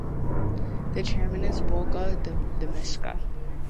The Chairman is Bulcha Demeksa.